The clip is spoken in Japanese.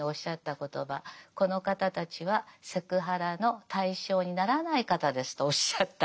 「この方たちはセクハラの対象にならない方です」とおっしゃった。